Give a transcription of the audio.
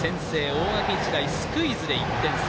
大垣日大、スクイズで１点差。